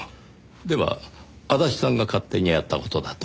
では足立さんが勝手にやった事だと？